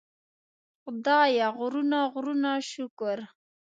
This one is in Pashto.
خدایه غرونه غرونه شکر.